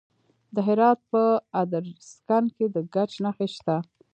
د هرات په ادرسکن کې د ګچ نښې شته.